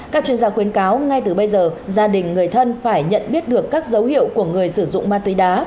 các chuyên gia khuyến cáo ngay từ bây giờ gia đình người thân phải nhận biết được các dấu hiệu của người sử dụng ma túy đá